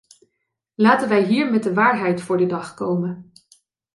Laten wij hier met de waarheid voor de dag komen.